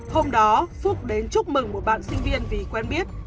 hôm đó phúc đến chúc mừng một bạn sinh viên vì quen biết